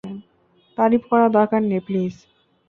তারিফ করার দরকার নেই, প্লিজ।